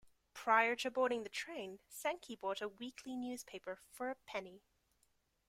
Prior to boarding the train, Sankey bought a weekly newspaper for a penny.